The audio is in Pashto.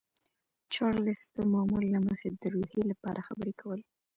چارلیس د معمول له مخې د روحیې لپاره خبرې کولې